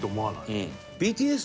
ＢＴＳ。